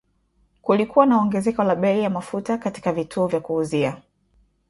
Kulikuwa na ongezeko la bei ya mafuta katika vituo vya kuuzia